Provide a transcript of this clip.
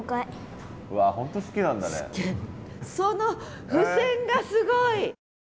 その付箋がすごい！